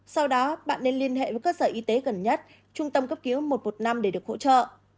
sau đó bạn nên liên hệ với cơ sở y tế gần nhất trung tâm cấp cứu một trăm một mươi năm để được hỗ trợ